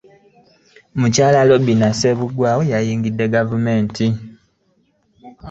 Mukyala Robinah Ssebugwawo yanyigidde Gavumenti